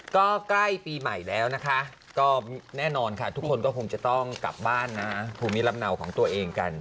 ก็ใกล้ปีใหม่แล้วนะคะก็แน่นอนค่ะทุกคนก็คงจะต้องกลับบ้านนะภูมิลำเนาของตัวเองกัน